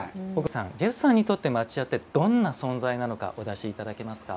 ジェフさんにとって町家ってどんな存在なのかお出し頂けますか？